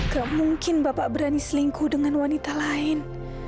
gak mungkin bapak berani selingkuh dengan wanita lain